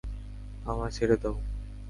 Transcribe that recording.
আমায় ছেড়ে দাও!